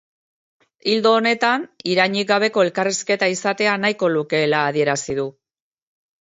Ildo honetan, irainik gabeko elkarrizketa izatea nahiko lukeela adierazi du.